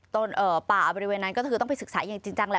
ป่าบริเวณนั้นก็คือต้องไปศึกษาอย่างจริงจังแหละ